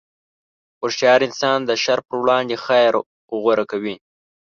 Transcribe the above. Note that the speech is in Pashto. هوښیار انسان د شر پر وړاندې خیر غوره کوي.